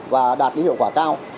và đạt cái hiệu quả cao